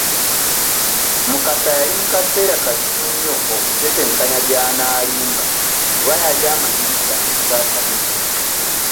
Mukasa yali mu kaseera kazibu nnyo ak'okutetenkanya by'anaalimba kuba yali amanyi nti avuga atamidde.